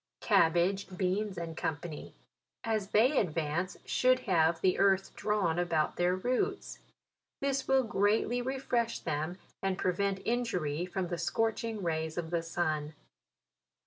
CABBAGE, BEANS, &c. as they advance, should have the earth drawn, about their roots. This will greatly refresh them, and prevent injury from the scorching rays of the sun.